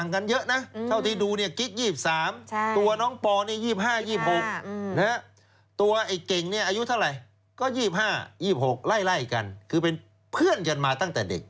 เก่งเนี้ยอายุเท่าไรก็ยี่สิบห้ายี่สิบหกไล่กันคือเป็นเพื่อนกันมาตั้งแต่เด็ก